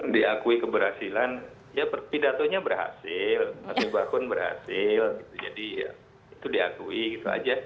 diakui keberhasilan ya pidatonya berhasil mas wibowo berhasil jadi ya itu diakui gitu aja